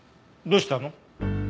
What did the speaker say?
どうしたの？